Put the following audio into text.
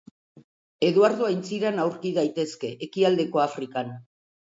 Eduardo aintziran aurki daitezke, Ekialdeko Afrikan.